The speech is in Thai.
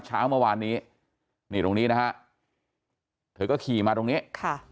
เช้าเมื่อวานนี้นี่ตรงนี้นะฮะเธอก็ขี่มาตรงนี้ค่ะ